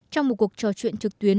trong một cuộc trò chuyện trực tuyến